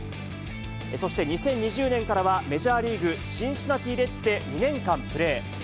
そして２０２０年からはメジャーリーグ・シンシナティレッズで２年間プレー。